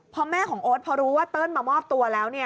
พอแม่ของโอ๊ตพอรู้ว่าเติ้ลมามอบตัวแล้ว